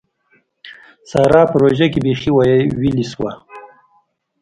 سارا په روژه کې بېخي ويلې شوه.